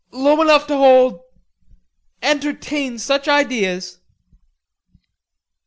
low enough to hold... entertain such ideas...."